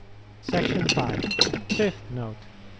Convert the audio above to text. SECTION V. FIFTH NOTE.